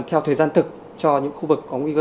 theo thời gian thực cho những khu vực có nguy cơ